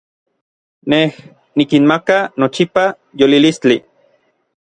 Nej nikinmaka nochipa yolilistli.